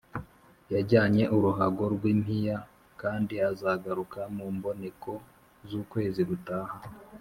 yajyanye uruhago rw’impiya, kandi azagaruka mu mboneko z’ukwezi gutaha”